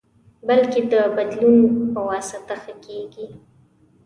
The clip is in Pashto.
بلکې د بدلون پواسطه ښه کېږي.